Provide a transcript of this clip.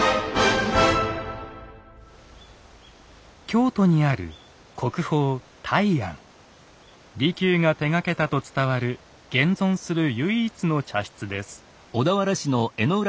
京都にある利休が手がけたと伝わる現存する唯一の茶室です。